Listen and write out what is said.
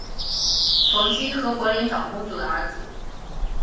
冯熙和博陵长公主的儿子。